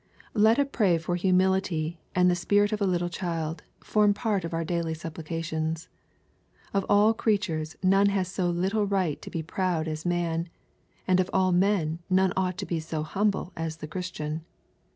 Let a prayer for humility and the spirit of a little child, form part of our daily supplications. Of all creatures none has so little right to be proud as man, and of all men none ought to be so humble as the Christian.